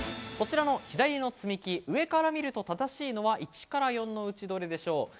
左の積み木、上から見ると、正しいのは１から４のうち、どれでしょう？